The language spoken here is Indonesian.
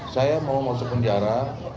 saya mau masuk penjara